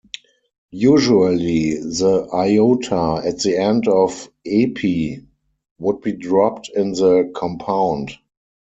Usually the iota at the end of "epi" would be dropped in the compound.